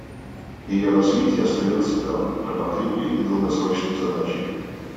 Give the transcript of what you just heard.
Ее развитие остается кропотливой и долгосрочной задачей.